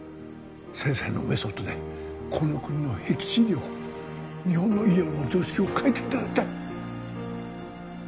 先生のメソッドでこの国のへき地医療を日本の医療の常識を変えていただきたい